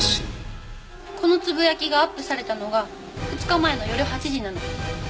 このつぶやきがアップされたのが２日前の夜８時なの。